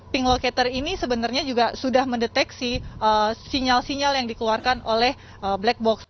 ping locator ini sebenarnya juga sudah mendeteksi sinyal sinyal yang dikeluarkan oleh black box